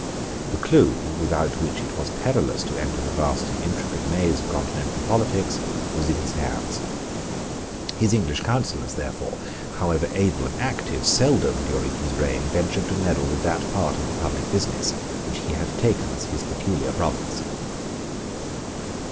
The clue, without which it was perilous to enter the vast and intricate maze of Continental politics, was in his hands. His English counsellors, therefore, however able and active, seldom, during his reign, ventured to meddle with that part of the public business which he had taken as his peculiar province.